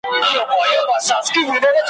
جهاني له دې مالته مرور دي قسمتونه ,